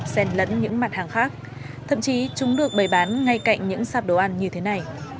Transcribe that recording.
xen lẫn những mặt hàng khác thậm chí chúng được bày bán ngay cạnh những sạp đồ ăn như thế này